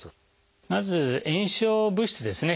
まず炎症物質ですね